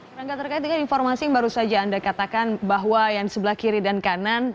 rangga terkait dengan informasi yang baru saja anda katakan bahwa yang sebelah kiri dan kanan